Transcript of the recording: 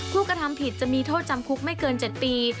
กระทำผิดจะมีโทษจำคุกไม่เกิน๗ปี